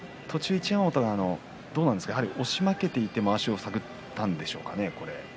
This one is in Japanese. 押し負けていてまわしを探っていったんでしょうかね。